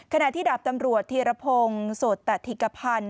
ขณะที่ดาบตำรวจธีรพงศ์โสตธิกภัณฑ์